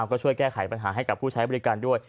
ก็ช่วยแก้ไขปัญหาให้กับผู้ใช้บริการด้วย